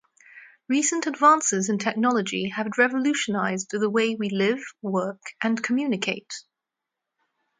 Recent advances in technology have revolutionized the way we live, work, and communicate.